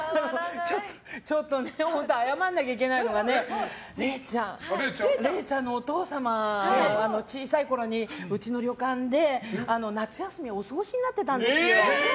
ちょっと本当に謝らないといけないのがれいちゃんのお父様小さいころにうちの旅館で、夏休みをお過ごしになってたんですよ。